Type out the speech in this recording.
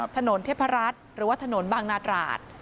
ถนนเทพรัฐหรือว่าถนนบางนาตราด